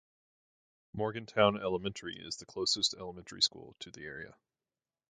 Morgantown Elementary is the closest elementary school to the area.